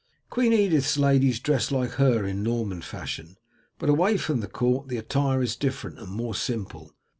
"Queen Edith's ladies dress like her in Norman fashion, but away from the court the attire is different and more simple.